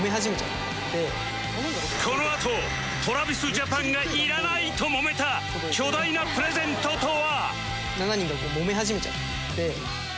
このあと ＴｒａｖｉｓＪａｐａｎ が「いらない！」ともめた巨大なプレゼントとは？